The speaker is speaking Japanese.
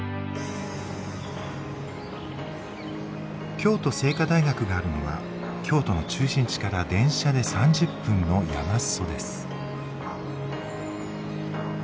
京都精華大学があるのは京都の中心地から電車で３０分の山裾です。